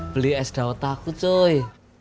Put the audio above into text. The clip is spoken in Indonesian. beli es daun takut sih